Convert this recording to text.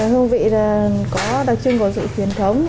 hương vị có đặc trưng của sự truyền thống